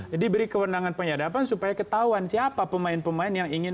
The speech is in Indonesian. jadi beri keuendangan penyadapan supaya ketahuan siapa pemain pemain yang ingin menang